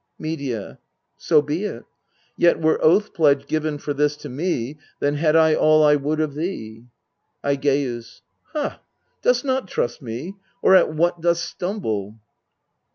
Medea. So be it. Yet, were oath pledge given for this To me, then had I all I would of thee. Aigcus. Ha! dost not trust me? or at what dost stumble?